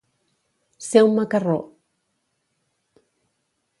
Ser un macarró.